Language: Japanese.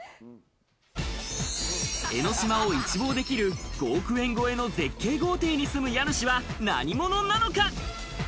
江の島を一望できる５億円超えの絶景豪邸に住む家主は何者なのか？